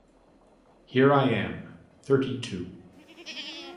Here I am, thirty-two.